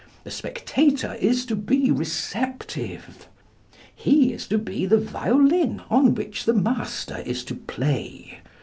The spectator is to be receptive. He is to be the violin on which the master is to play.